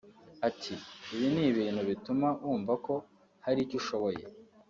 Ati” Ibi ni ibintu bituma wumvako hari icyo ushoboye